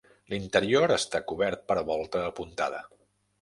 L'interior està cobert per volta apuntada.